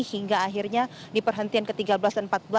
hingga akhirnya di perhentian ke tiga belas dan ke empat belas